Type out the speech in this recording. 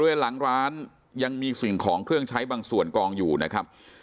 โดยหลังร้านยังมีสิ่งของเครื่องใช้บางส่วนกองอยู่นะครับ